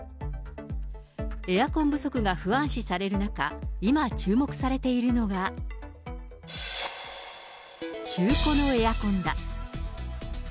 エアコン不足が不安視される中、今、注目されているのが、中古のエアコンだ。